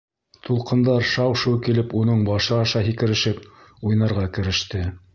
Тулҡындар шау-шыу килеп уның башы аша һикерешеп уйнарға кереште.